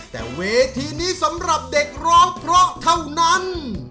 แต่เวทีนี้สำหรับเด็กร้องเพราะเท่านั้น